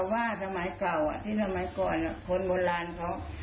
ถ้าเขาตายจริงเขาไม่ฟื้นหรอกยังไม่ตายจริง